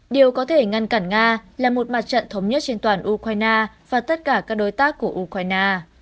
điều có thể ngăn cản nga là một mặt trận thống nhất trên toàn ukraine và tất cả các đối tác của ukraine